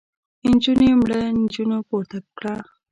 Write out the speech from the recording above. نجونو مړه نجلۍ پورته کړه.